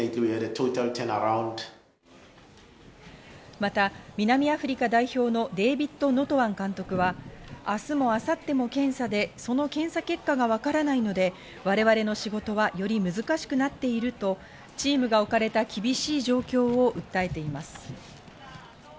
また南アフリカ代表のデービッド・ノトアン監督は、明日も明後日も検査で、その検査結果がわからないので、我々の仕事はより難しくなっているとチームが置かれた厳しい状況を訴えています。